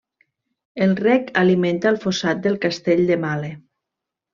El rec alimenta el fossat del castell de Male.